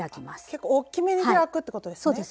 結構おっきめに開くってことですね。